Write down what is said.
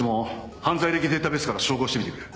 犯罪歴データベースから照合してみてくれ。